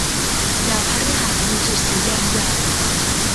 ดาวพฤหัสมีจุดสีแดงใหญ่